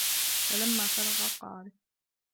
فَلَمَّا فَرَغَ قَالَ